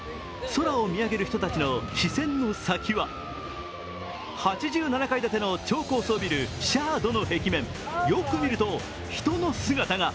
空を見上げる人たちの視線の先は、８７階建ての超高層ビルのシャードの壁面よく見ると人の姿が。